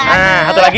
nah satu lagi